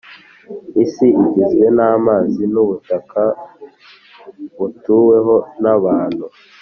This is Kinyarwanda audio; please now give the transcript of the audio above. Isi igizwe n’amazi n’ubutaka butuweho n’abantu